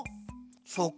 そうか。